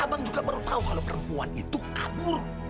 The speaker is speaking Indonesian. abang juga baru tahu kalau perempuan itu kabur